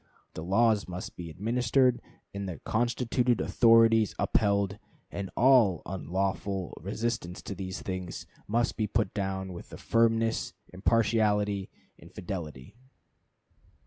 The laws must be administered, and the constituted authorities upheld, and all unlawful resistance to these things must be put down with firmness, impartiality, and fidelity."